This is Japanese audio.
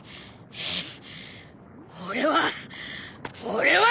俺は。